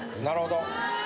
なるほど。